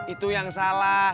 itu yang salah